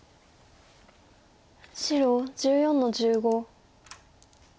白１４の十五。